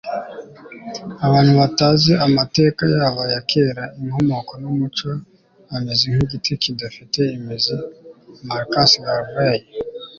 abantu batazi amateka yabo ya kera, inkomoko n'umuco bameze nk'igiti kidafite imizi. - marcus garvey